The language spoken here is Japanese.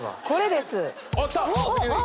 これですわ。